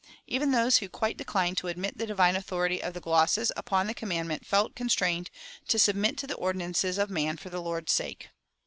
Even those who quite declined to admit the divine authority of the glosses upon the commandment felt constrained to "submit to the ordinances of man for the Lord's sake."